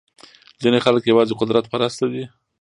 ځینې خلک یوازې قدرت پرسته دي.